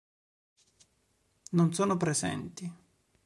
Non sono presenti.